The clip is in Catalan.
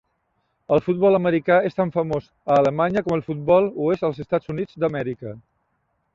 El futbol americà és tan famós a Alemanya com el futbol ho es als Estats Units d'Amèrica.